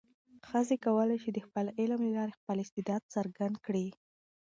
ښځې کولای شي د علم له لارې خپل استعداد څرګند کړي.